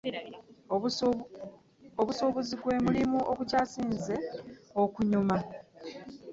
Obusuubuzi gwe mulimu ogukyasinze okunyuma.